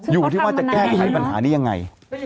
อยู่ที่ว่าจะแก้ไขปัญหานี้ยังไง